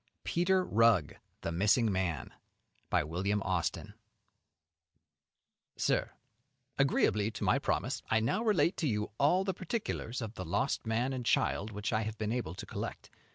XI PETER RUGG, THE MISSING MAN Sir Agreeably to my promise, I now relate to you all the particulars of the lost man and child which I have been able to collect.